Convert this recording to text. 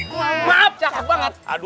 maaf cakap banget